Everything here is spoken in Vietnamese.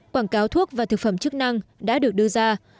quảng cáo thuốc và thực phẩm chức năng đã được đưa ra